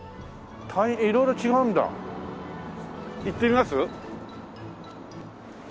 行ってみます？